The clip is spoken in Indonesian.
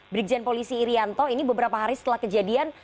brigjen polisi irianto ini beberapa hari setelah kejadian